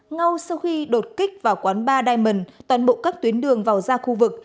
ngay sau khi đột kích vào quán ba diamond toàn bộ các tuyến đường vào ra khu vực